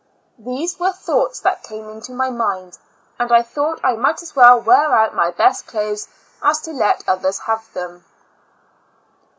These were thoughts that came into my mind; and I thought I might as well wear out my best clothes as to let others have them.